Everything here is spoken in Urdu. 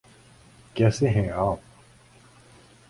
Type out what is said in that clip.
کیسے ہیں آپ؟